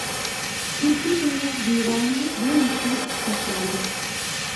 تۈركىي تىللار دىۋانىمۇ بۇ نۇقتىنى ئىسپاتلايدۇ.